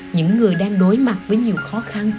những người đang đối mặt với nhiều khó khăn trong bệnh